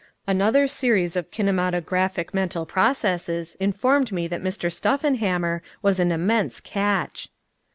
Another series of kinematographic mental processes informed me that Mr. Stuffenhammer was an immense catch.